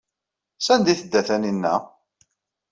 Sanda ay tedda Taninna?